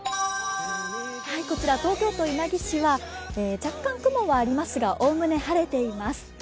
こちら、東京都稲城市は若干、雲はありますがおおむね晴れています。